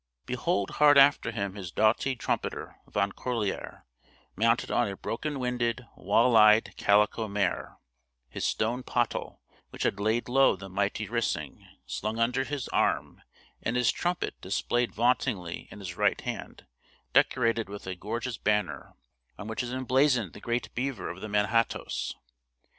Behold hard after him his doughty trumpeter, Van Corlear, mounted on a broken winded, walleyed, calico mare; his stone pottle, which had laid low the mighty Risingh, slung under his arm; and his trumpet displayed vauntingly in his right hand, decorated with a gorgeous banner, on which is emblazoned the great beaver of the Manhattoes.